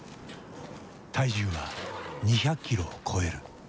体重は２００キロを超える。